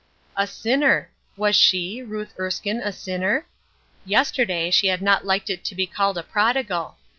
A sinner! Was she, Ruth Erskine, a sinner? Yesterday she had not liked it to be called a prodigal.